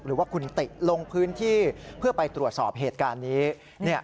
หรือว่าคุณติลงพื้นที่เพื่อไปตรวจสอบเหตุการณ์นี้